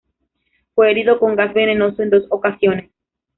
Fue herido con gas venenoso en dos ocasiones.